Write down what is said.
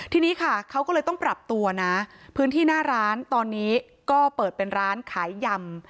ทีนี้ค่ะเขาก็เลยต้องปรับตัวนะพื้นที่หน้าร้านตอนนี้ก็เปิดเป็นร้านขายยำ